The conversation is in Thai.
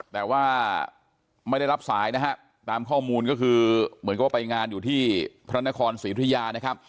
แต่ว่าไม่ได้รับสายนะฮะตามข้อมูลก็คือเหมือนก็ไปงานอยู่ที่พระนครศรีธุยานะครับ